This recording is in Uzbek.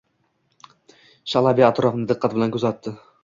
Shalabiya atrofni diqqat bilan kuzatdi